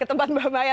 ketempat mbak maya